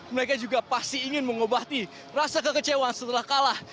mereka juga pasti ingin mengobati rasa kekecewaan setelah kalah